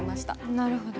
なるほど。